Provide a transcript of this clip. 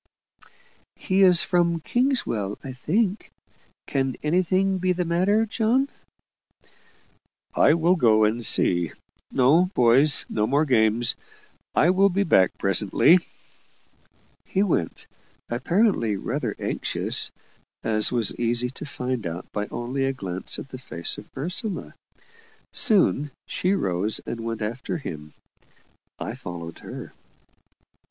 "He is from Kingswell, I think. Can anything be the matter, John?" "I will go and see. No, boys, no more games I will be back presently." He went, apparently rather anxious as was easy to find out by only a glance at the face of Ursula. Soon she rose and went after him. I followed her.